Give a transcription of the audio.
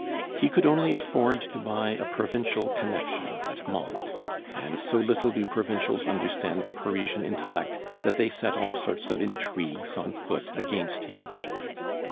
He could only afford to buy a provincial connection at Mantes and so little do provincials understand the Parisian intellect, that they set all sorts of intrigues on foot against him."